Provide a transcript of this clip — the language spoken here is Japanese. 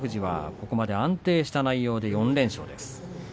ここまで安定した内容で４連勝です。